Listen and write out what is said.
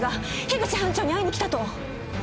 口班長に会いに来たと。